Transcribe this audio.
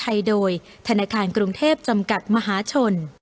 โดยธนาคารกรุงเทพจำกัดมหาชน